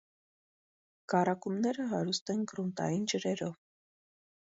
Կարակումները հարուստ են գրունտային ջրերով։